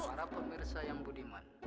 para pemirsa yang budiman